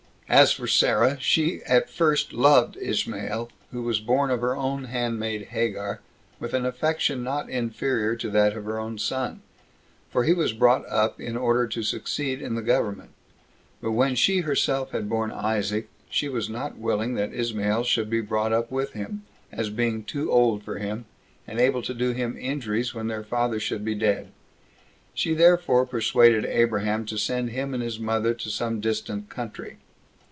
3. As for Sarah, she at first loved Ismael, who was born of her own handmaid Hagar, with an affection not inferior to that of her own son, for he was brought up in order to succeed in the government; but when she herself had borne Isaac, she was not willing that Ismael should be brought up with him, as being too old for him, and able to do him injuries when their father should be dead; she therefore persuaded Abraham to send him and his mother to some distant country.